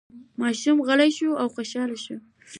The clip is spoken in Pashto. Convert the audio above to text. ماشوم غلی شو او خوشحاله شو.